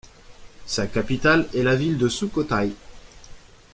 Sa capitale est la ville de Sukhothaï.